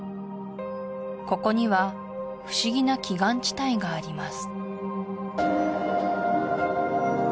ここには不思議な奇岩地帯があります